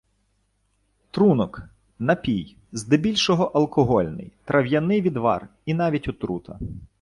Трунок– напій, здебільшого – алкогольний; трав’яний відвар; і навіть отрута.